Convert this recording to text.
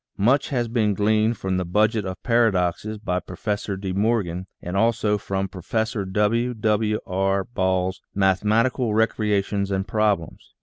Much has been gleaned from the " Budget of Paradoxes " by Professor De Morgan and also from Profes sor W. W. R. Ball's " Mathematical Recreations and Prob lems."